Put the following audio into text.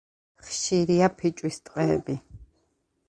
ხშირია ფიჭვის ტყეები.